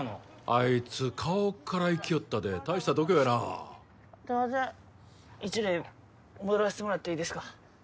あいつ顔からいきよったで大した度胸やなすいません一塁戻らせてもらっていいですか？